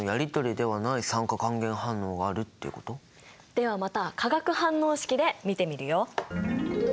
ではまた化学反応式で見てみるよ。